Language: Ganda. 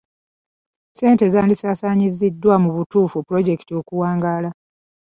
Ssente zandisaasaanyiziddwa mu butuufu pulojekiti okuwangula.